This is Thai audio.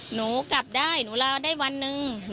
หนูกลับได้หนูลาได้วันหนึ่ง